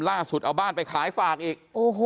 ล่าสุดเอาบ้านไปขายฝากอีก